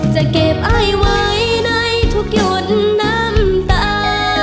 จะเก็บไอไว้ในทุกหยนต์น้ำตา